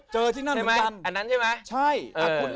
เจอที่นั่นหรือจัน